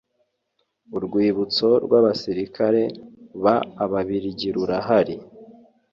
urwibutso rw ‘abasirikare b ababiligirurahari.